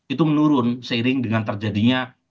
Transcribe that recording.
itu menurun seiring dengan terjadinya